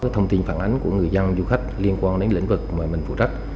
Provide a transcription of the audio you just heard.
thông tin phản ánh của người dân du khách liên quan đến lĩnh vực mà mình phụ trách